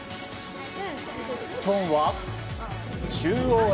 ストーンは中央へ。